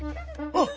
あっ！